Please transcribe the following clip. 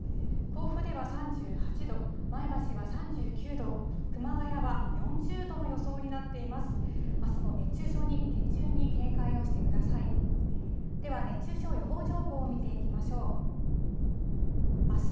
甲府では３８度、前橋は３９度、熊谷は４０度の予想になっています。